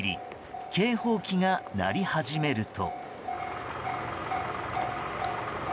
警報機が鳴り始めると。